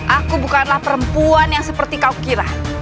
aku bukanlah perempuan yang seperti kau kira